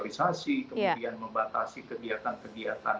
kemudian membatasi kegiatan kegiatan baik itu olahraga agama dan lain sebagainya termasuk